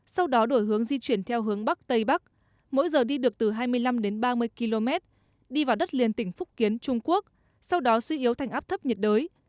sau đó đổi hướng di chuyển theo hướng bắc tây bắc mỗi giờ đi được từ hai mươi năm đến ba mươi km đi vào đất liền tỉnh phúc kiến trung quốc sau đó suy yếu thành áp thấp nhiệt đới